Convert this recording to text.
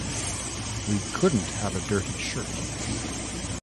We couldn't have a dirty shirt.